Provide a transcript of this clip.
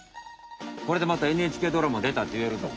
これでまたＮＨＫドラマでたっていえるぞ。